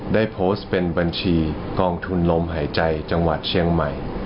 ได้โพสต์เป็นบัญชีกองทุนลมหายใจจังหวัดเชียงใหม่